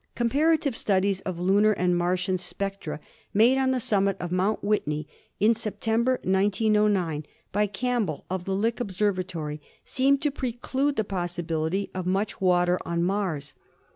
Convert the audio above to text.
Comparative studies of lunar and Martian spectra made on the summit of Mt. Whitney in September, 1909, by Campbell of the Lick Observatory seem to preclude the possibility of much water on Mars.